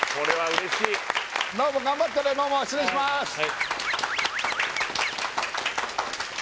失礼しますねえ